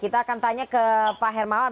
kita akan tanya ke pak hermawan